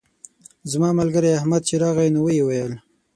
زما ملګری احمد چې راغی نو ویې ویل.